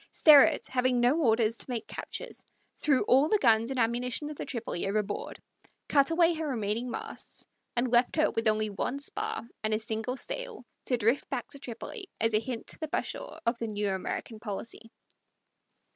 Sterrett, having no orders to make captures, threw all the guns and ammunition of the Tripoli overboard, cut away her remaining masts, and left her with only one spar and a single sail to drift back to Tripoli, as a hint to the Bashaw of the new American policy.